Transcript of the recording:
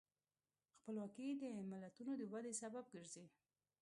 خپلواکي د ملتونو د ودې سبب ګرځي.